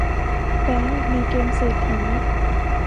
แบงก์ในเกมเศรษฐี